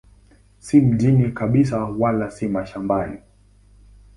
Si mjini kabisa wala si mashambani.